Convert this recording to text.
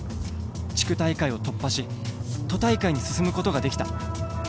地区大会を突破し都大会に進むことができた。